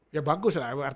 ya bagus lah